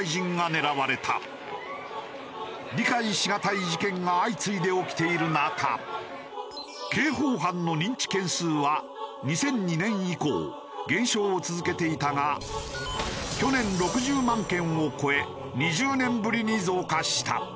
理解しがたい事件が相次いで起きている中刑法犯の認知件数は２００２年以降減少を続けていたが去年６０万件を超え２０年ぶりに増加した。